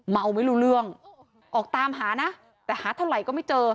เมาไม่รู้เรื่องออกตามหานะแต่หาเท่าไหร่ก็ไม่เจอ